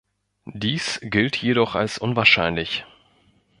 Dies gilt jedoch als unwahrscheinlich.